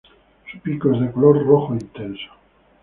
Su pico es de color rojo intenso.